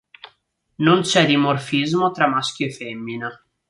Non c'è dimorfismo tra maschio e femmina.